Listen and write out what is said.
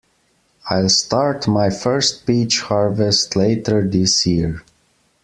I'll start my first peach harvest later this year.